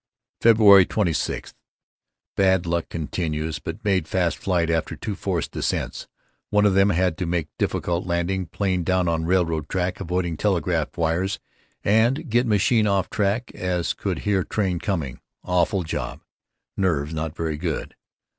Feb. 26: Bad luck continues but made fast flight after two forced descents, one of them had to make difficult landing, plane down on railroad track, avoiding telegraph wires, and get machine off track as could hear train coming, awful job. Nerves not very good.